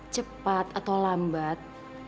cepat atau lambat